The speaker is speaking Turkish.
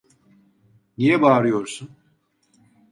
Niye bağırıyorsun?